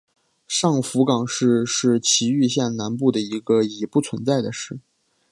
上福冈市是崎玉县南部的一个已不存在的市。